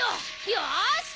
よし！